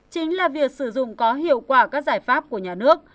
chính là việc sử dụng có hiệu quả các giải pháp của nhà nước